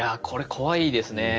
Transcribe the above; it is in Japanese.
これ、怖いですね。